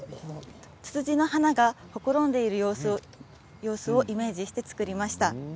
ツツジの花がほころんでいる様子をイメージして作りました。